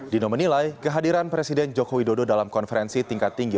dino menilai kehadiran presiden joko widodo dalam konferensi tingkat tinggi